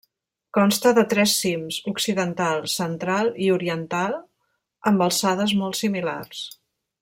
Consta de tres cims: occidental, central i oriental, amb alçades molt similars.